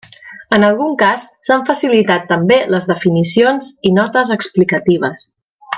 En algun cas s'han facilitat també les definicions i notes explicatives.